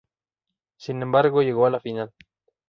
Sin embargo llegó a la final.